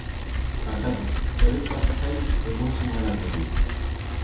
Barkatu, berriz pasa zait egun seinalatu hori.